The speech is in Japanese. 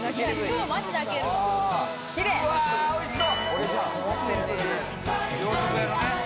うわおいしそう！